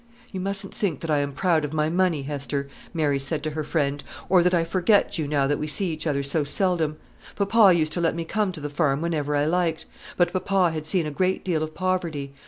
"You mustn't think that I am proud of my money, Hester," Mary said to her friend, "or that I forget you now that we see each other so seldom. Papa used to let me come to the farm whenever I liked; but papa had seen a great deal of poverty.